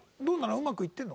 うまくいってるの？